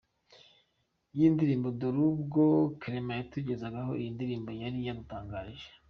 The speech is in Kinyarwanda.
yindirimbo dore ko ubwo Clement yatugezagaho iyi ndirimbo yari yadutangarije.